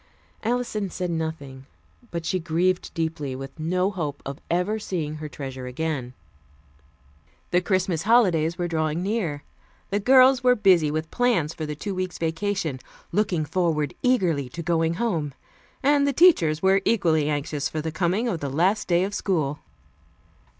Alison said nothing, but she grieved deeply, with no hope of ever seeing her treasure again. The Christmas holidays were drawing near. The girls were busy with plans for the two weeks' vacation, looking forward eagerly to going home, and the teachers were equally anxious for the coming of the last day of school.